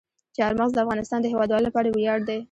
چار مغز د افغانستان د هیوادوالو لپاره ویاړ دی.